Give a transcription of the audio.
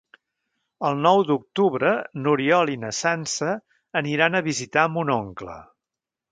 El nou d'octubre n'Oriol i na Sança aniran a visitar mon oncle.